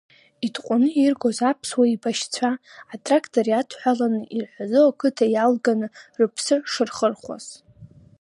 Итҟәаны иргоз аԥсуа еибашьцәа атрактор иадҳәаланы ирҳәазо ақыҭа иалганы рыԥсы шырхырхуаз.